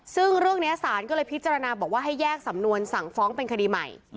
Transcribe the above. ซึ่งเรื่องนี้ศาลก็เลยพิจารณาบอกว่าให้แยกสำนวนสั่งฟ้องเป็นคดีใหม่